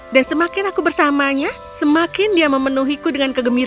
dan semakin aku bersamanya semakin dia memenuhiku dengan kegembiraan